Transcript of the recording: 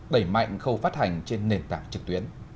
đẩy mạnh khâu phát hành trên nền tảng trực tuyến